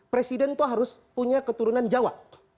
presiden itu harus punya keturunan jawa